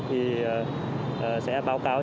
thì sẽ báo cáo